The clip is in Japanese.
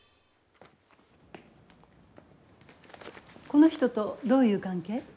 この人とどういう関係？